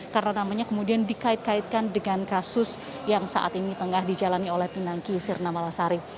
karena namanya kemudian dikait kaitkan dengan kasus yang saat ini tengah dijalani oleh pinangki sirena malasari